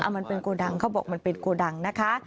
มันเป็นโกดังเขาบอกมันเป็นโกดังนะคะ